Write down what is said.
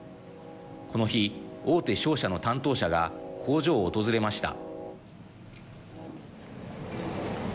この日、大手商社の担当者が工場を訪れました。